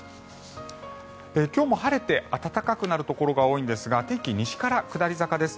今日も晴れて暖かくなるところが多いんですが天気、西から下り坂です。